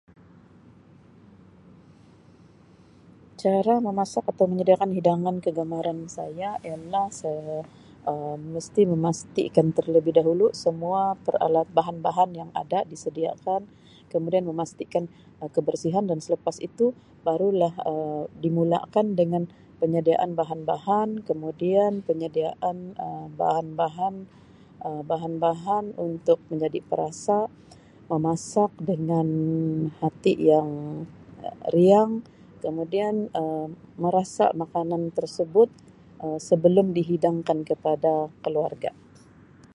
Cara memasak atau menyediakan hidangan kegemaran saya ialah saya Um mesti memastikan terlebih dahulu semua peralat bahan-bahan yang ada disediakan kemudian memastikan kebersihan dan selepas itu baru lah Um dimulakan dengan penyediaan bahan-bahan kemudian penyediaan Um bahan-bahan Um bahan-bahan untuk menjadi perasa memasak dengan hati yang Um riang kemudian Um merasa makanan tersebut Um sebelum dihidangkan kepada keluarga.